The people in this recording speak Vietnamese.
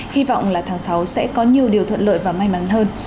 hy vọng là tháng sáu sẽ có nhiều điều thuận lợi và may mắn hơn